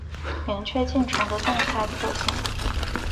明确进程的动态特性